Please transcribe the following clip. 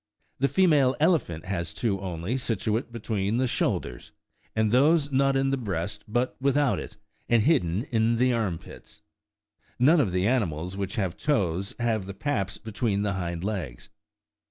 The female elephant has two only, situate between the shoulders, and those not in the breast, but without it, and hidden in the arm pits : none of the animals which have toes have the paps between the hind legs.